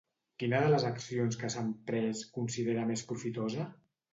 Quina de les accions que s'han pres considera més profitosa?